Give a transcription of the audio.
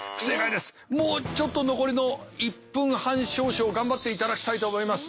もうちょっと残りの１分半少々頑張っていただきたいと思います。